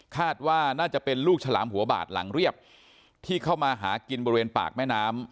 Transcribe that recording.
คาดว่าน่าจะเป็นลูกฉลามหัวบาดหลังเรียบที่เข้ามาหากินบริเวณปากแม่น้ำ